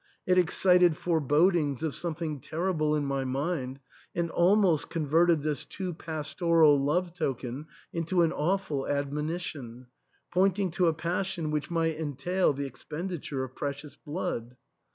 It excited fore bodings of something terrible in my mind, and almost converted this too pastoral love token into an awful admonition, pointing to a passion which might entail the expenditure of precious blood.